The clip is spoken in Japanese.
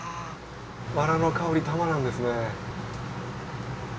ワラの香りたまらんですね。